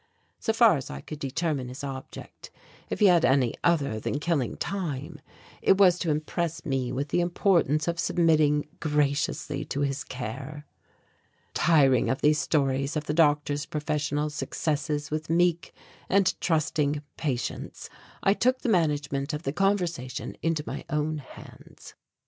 So far as I could determine his object, if he had any other than killing time, it was to impress me with the importance of submitting graciously to his care. Tiring of these stories of the doctor's professional successes with meek and trusting patients, I took the management of the conversation into my own hands.